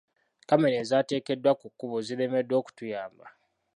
Kkamera ezaateekebwa ku kkubo ziremeddwa okutuyamba.